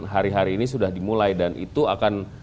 hari hari ini sudah dimulai dan itu akan